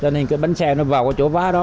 cho nên cái bánh xe nó vào cái chỗ vá đó